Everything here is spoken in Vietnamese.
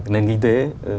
nền kinh tế